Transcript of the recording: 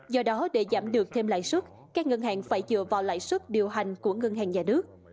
do đó để giảm được thêm lãi suất các ngân hàng phải dựa vào lãi suất điều hành của ngân hàng nhà nước